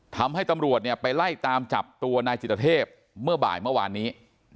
ทำให้ตำรวจเนี่ยไปไล่ตามจับตัวนายจิตเทพเมื่อบ่ายเมื่อวานนี้